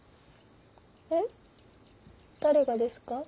え誰がですか？